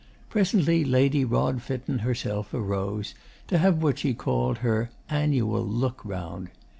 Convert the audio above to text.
Presently Lady Rodfitten herself arose, to have what she called her "annual look round."